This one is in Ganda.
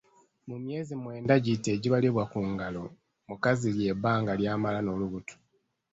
Mu myezi mwenda giti egibalibwa ku ngalo mukazi lye bbanga ly'amala n'olubuto.